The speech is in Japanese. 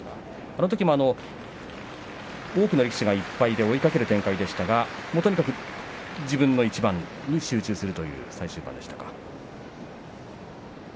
あのときも多くの力士が１敗で追いかける展開でしたがとにかく自分の一番に集中するという最終盤でしたか。